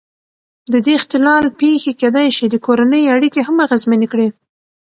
د دې اختلال پېښې کېدای شي د کورنۍ اړیکې هم اغېزمنې کړي.